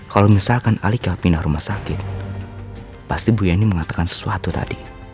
kalau misalkan alika pindah rumah sakit pasti bu yani mengatakan sesuatu tadi